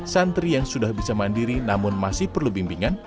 santri yang sudah bisa mandiri namun masih perlu bimbingan